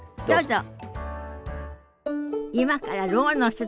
どうぞ。